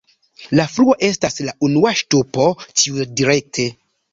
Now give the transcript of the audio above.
La fluo estas la unua ŝtupo tiudirekte.